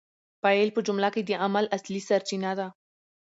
فاعل په جمله کي د عمل اصلي سرچینه ده.